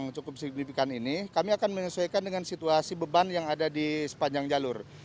yang cukup signifikan ini kami akan menyesuaikan dengan situasi beban yang ada di sepanjang jalur